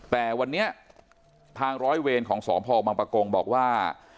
แต่วันนี้ทางร้อยเวรของสพบังปะกงบอกว่า